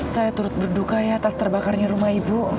saya turut berduka ya atas terbakarnya rumah ibu